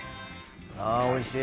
あおいしい。